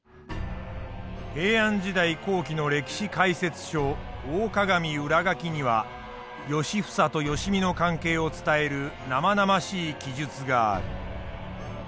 平安時代後期の歴史解説書「大鏡裏書」には良房と良相の関係を伝える生々しい記述がある。